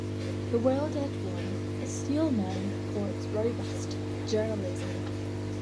"The World at One" is still known for its robust journalism.